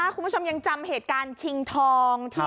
คุณผู้ชมยังจำเหตุการณ์ชิงทอง